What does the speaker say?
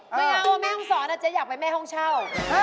ไม่นะว่าแม่ห้องสอนอะเจ๊อยากไปแม่ห้องเช่า